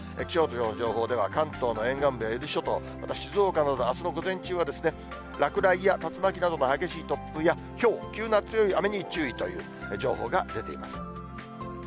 気象庁の情報では、関東の沿岸や伊豆諸島、また静岡などもあすの午前中は落雷や竜巻などの激しい突風やひょう、急な強い雨に注意という情報が出ています。